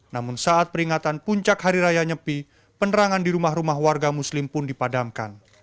namun saat peringatan puncak hari raya nyepi penerangan di rumah rumah warga muslim pun dipadamkan